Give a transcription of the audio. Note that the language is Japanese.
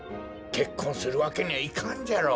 けっこんするわけにはいかんじゃろ。